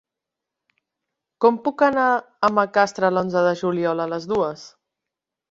Com puc anar a Macastre l'onze de juliol a les dues?